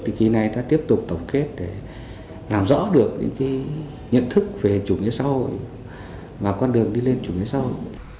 thì kỳ này ta tiếp tục tổng kết để làm rõ được những nhận thức về chủ nghĩa xã hội và con đường đi lên chủ nghĩa xã hội